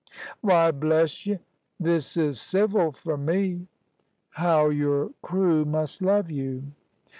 "Why, bless y', this is civil fur me." "How your crew must love you!"